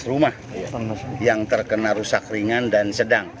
rumah yang terkena rusak ringan dan sedang